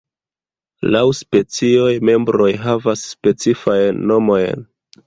Laŭ specioj, membroj havas specifajn nomojn.